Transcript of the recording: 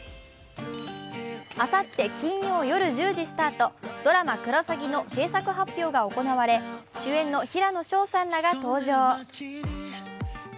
あさって金曜夜１０時スタート、ドラマ「クロサギ」の制作発表が行われ主演の平野紫耀さんらが登場。